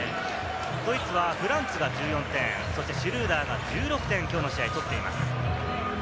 ドイツはフランツが１４点、シュルーダーが１６点、きょうの試合取っています。